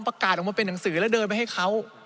ประกาศออกมาเป็นหนังสือแล้วเดินไปให้เขา